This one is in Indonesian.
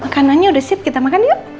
kanannya udah siap kita makan yuk